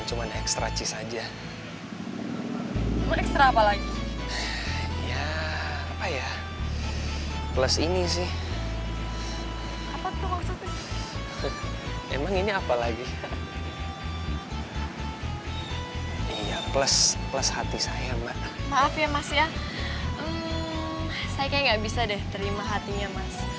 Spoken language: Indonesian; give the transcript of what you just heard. saya kayak nggak bisa deh terima hatinya mas